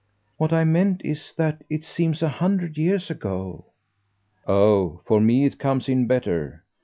"What I meant is that it seems a hundred years ago." "Oh for me it comes in better.